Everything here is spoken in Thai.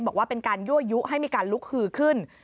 บอกว่าเป็นการยั่วยุให้มีการลุกฮือขึ้น